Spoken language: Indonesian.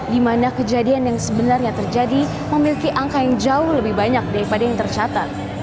di mana kejadian yang sebenarnya terjadi memiliki angka yang jauh lebih banyak daripada yang tercatat